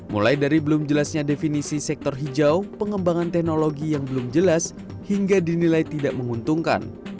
mulai dari belum jelasnya definisi sektor hijau pengembangan teknologi yang belum jelas hingga dinilai tidak menguntungkan